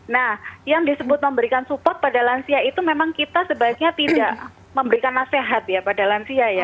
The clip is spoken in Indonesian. nah yang disebut memberikan support pada lansia itu memang kita sebaiknya tidak memberikan nasihat ya pada lansia ya